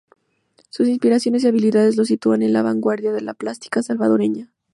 Sus inspiraciones y habilidades lo sitúan en la vanguardia de la plástica Salvadoreña.